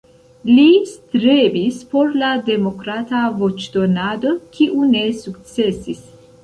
Li strebis por la demokrata voĉdonado, kiu ne sukcesis.